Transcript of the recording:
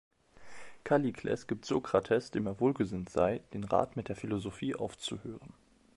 Kallikles gibt Sokrates, dem er wohlgesinnt sei, den Rat, mit der Philosophie aufzuhören.